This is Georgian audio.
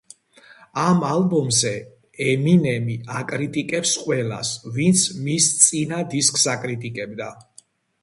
ამ ალბომზე ემინემი აკრიტიკებს ყველას, ვინც მის წინა დისკს აკრიტიკებდა.